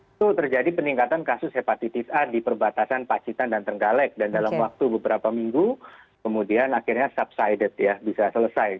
itu terjadi peningkatan kasus hepatitis a di perbatasan pacitan dan trenggalek dan dalam waktu beberapa minggu kemudian akhirnya subsided ya bisa selesai